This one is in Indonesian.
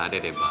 ada deh bang